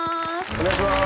お願いします。